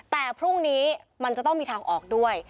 แต่พรุ่งนี้มันจะต้องมีทางออกด้วย